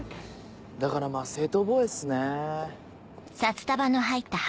だからまぁ正当防衛っすね。